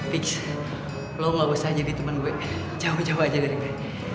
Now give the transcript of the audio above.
peach lo gak usah jadi temen gue jauh jauh aja dari gue